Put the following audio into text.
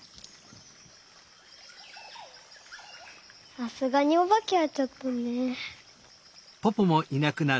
さすがにおばけはちょっとね。